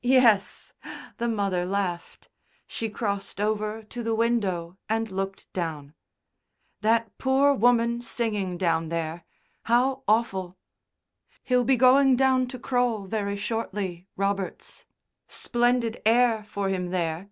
"Yes," the mother laughed. She crossed over to the window and looked down. "That poor woman singing down there. How awful! He'll be going down to Crole very shortly, Roberts. Splendid air for him there.